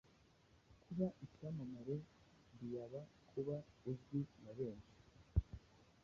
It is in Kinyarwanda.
kuba icyamamare biaba kuba uzwi nabenhi